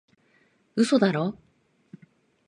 嘘だろ？